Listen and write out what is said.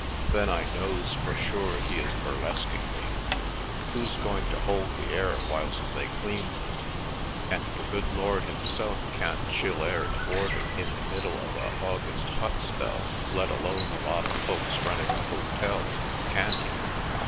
Then I knows for sure he is burlesqueing me. Who's going to hold the air whilst they cleans it? And the Good Lord Him self can't chill air to order in the middle of a August hot spell, let alone a lot of folks running a hotel — can He?